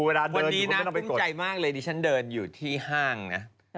วันนี้นะปึ้งใจมากเลยดิฉันเดินอยู่ที่ห้างนะ